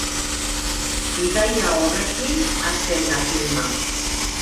Bidaia horrekin hasten da filma.